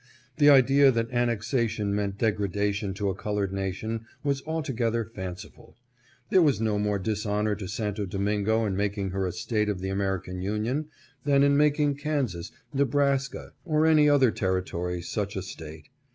The idea that annexation meant degradation to a colored nation was altogether fanciful ; there was no more dishonor to Santo Domingo in making her a State of the American Union, than in making Kansas, Nebras CZ /L ct^€^ yct/Zi^h4^ DIFFERING FROM CHARLES SUMNER. 499 ka, or any other territory such a State.